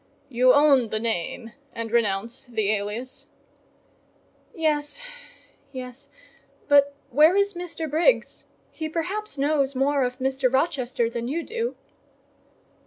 You own the name and renounce the alias?" "Yes—yes; but where is Mr. Briggs? He perhaps knows more of Mr. Rochester than you do."